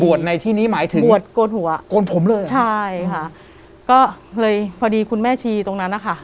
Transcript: ในที่นี้หมายถึงบวชโกนหัวโกนผมเลยเหรอใช่ค่ะก็เลยพอดีคุณแม่ชีตรงนั้นนะคะ